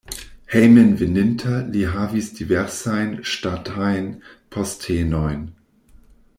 Hejmenveninta li havis diversajn ŝtatajn postenojn.